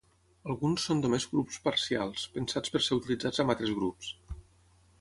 Alguns són només grups parcials, pensats per ser utilitzats amb altres grups.